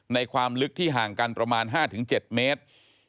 ความลึกที่ห่างกันประมาณ๕๗เมตร